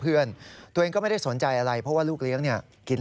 แล้วก็ลุกลามไปยังตัวผู้ตายจนถูกไฟคลอกนะครับ